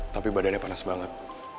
tapi badannya panas banget